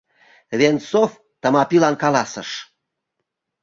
Венцов Тымапилан каласыш: